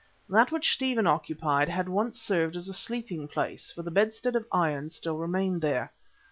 That which Stephen occupied had once served as a sleeping place, for the bedstead of iron still remained there.